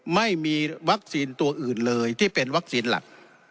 ไม่มีวัคซีนตัวอื่นเลยที่เป็นวัคซีนหลัก